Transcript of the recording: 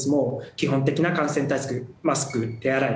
基本的な感染対策マスク、手洗い。